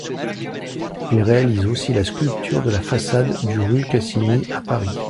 Il réalise aussi la sculpture de la façade du rue Cassini à Paris.